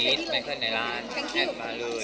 คิดไม่เข้าในร้านแอบมาเลย